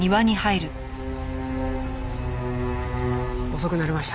遅くなりました。